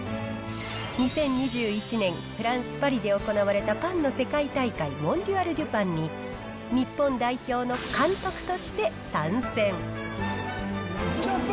２０２１年、フランス・パリで行われたパンの世界大会、モンディアル・デュ・パンに日本代表の監督として参戦。